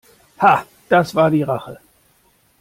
Ha, das war die Rache!